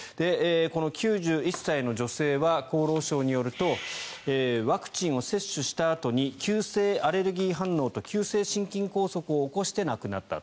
この９１歳の女性は厚労省によるとワクチンを接種したあとに急性アレルギー反応と急性心筋梗塞を起こして亡くなった。